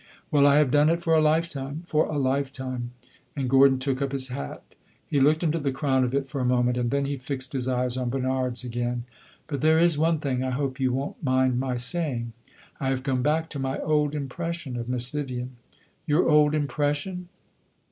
"Well, I have done it for a lifetime for a lifetime." And Gordon took up his hat. He looked into the crown of it for a moment, and then he fixed his eyes on Bernard's again. "But there is one thing I hope you won't mind my saying. I have come back to my old impression of Miss Vivian." "Your old impression?"